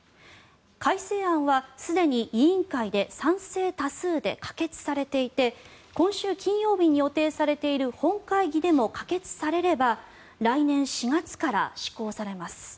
改正案はすでに委員会で賛成多数で可決されていて今週金曜日に予定されている本会議でも可決されれば来年４月から施行されます。